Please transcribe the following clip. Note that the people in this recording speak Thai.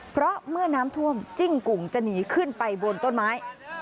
เพราะเมื่อน้ำท่วมจิ้งกุ่งจะหนีขึ้นไปบนต้นไม้